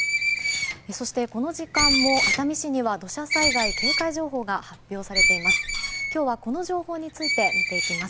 そして、この時間も熱海市には土砂災害警戒情報が発表されています。